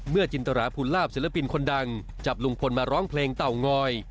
จินตราภูลาภศิลปินคนดังจับลุงพลมาร้องเพลงเต่างอย